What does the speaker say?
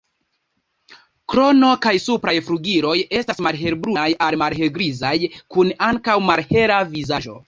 Krono kaj supraj flugiloj estas malhelbrunaj al malhelgrizaj, kun ankaŭ malhela vizaĝo.